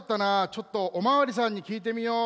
ちょっとおまわりさんにきいてみよう。